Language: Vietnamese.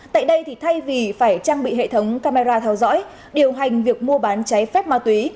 tại đây thì thay vì phải trang bị hệ thống camera theo dõi điều hành việc mua bán cháy phép ma túy